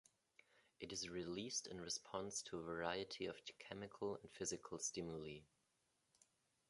It is released in response to a variety of chemical and physical stimuli.